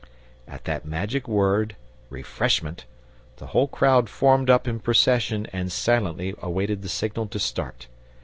At that magic word REFRESHMENT the whole crowd formed up in procession and silently awaited the signal to start.